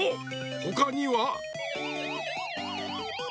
ほかには？